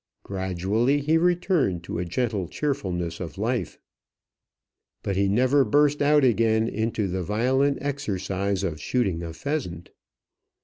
Gradually he returned to a gentle cheerfulness of life, but he never burst out again into the violent exercise of shooting a pheasant.